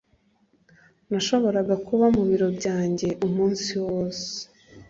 Nashoboraga kuba mu biro byanjye umunsi wose